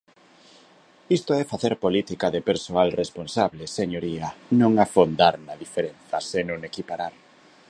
Isto é facer política de persoal responsable, señoría; non afondar na diferenza, senón equiparar.